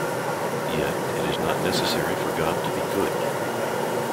Yet, it is not necessary for God to be "good".